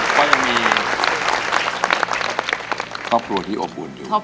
ก็ยังมีครอบครัวที่อบอุ่นอยู่